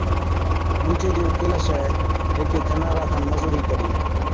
ڏُوجي ڏِيئو ڪيلاشَي هيڪي ڌنارا کن مزُورِي ڪلِي،